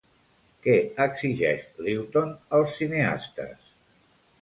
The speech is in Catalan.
Què exigeix, Lewton, als cineastes?